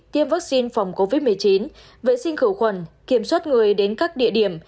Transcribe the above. tiêm vaccine phòng covid một mươi chín vệ sinh khử khuẩn kiểm soát người đến các địa điểm